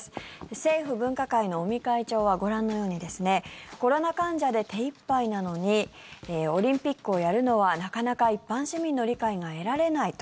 政府分科会の尾身会長はご覧のようにコロナ患者で手いっぱいなのにオリンピックをやるのはなかなか一般市民の理解が得られないと。